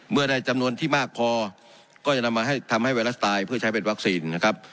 เมื่อได้จำนวนที่มากพอก็จะนำมาให้ทำให้ไวรัสตายเพื่อใช้เป็นวัคซีนนะครับ